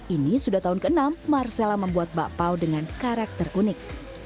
ini sudah tahun ke enam marcella membuat bakpao dengan karakter unik